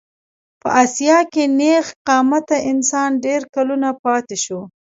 په اسیا کې نېغ قامته انسان ډېر کلونه پاتې شو.